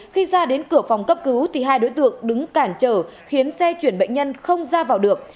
khi ra đến cửa phòng cấp cứu thì hai đối tượng đứng cản trở khiến xe chuyển bệnh nhân không ra vào được